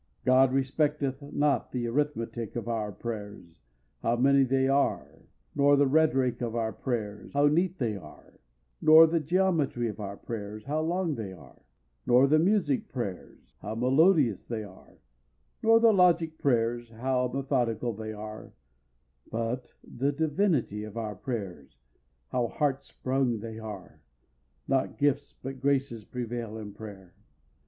God respecteth not the arithmetic of our prayers, how many they are; nor the rhetoric of our prayers, how neat they are; nor the geometry of our prayers, how long they are; nor the music prayers, how melodious they are; nor the logic prayers, how methodical they are: but the divinity of our prayers, how heart sprung they are—not gifts, but graces prevail in prayer.